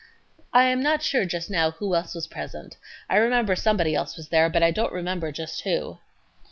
A. I am not sure just now who else was present. I remember somebody else was there, but I don't remember just who